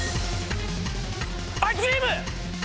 アイスクリーム！